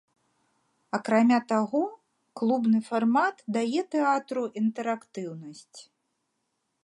Акрамя таго, клубны фармат дае тэатру інтэрактыўнасць.